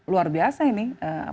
luar biasa ini